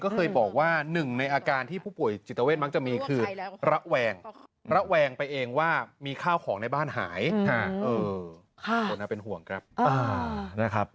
เพราะว่าหมอจิตเวทเองก็เคยบอกว่า